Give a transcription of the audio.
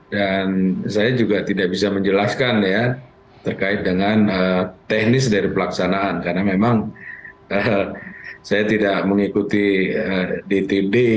dan saya juga tidak bisa menjelaskan ya terkait dengan teknis dari pelaksanaan karena memang saya tidak mengikuti day to day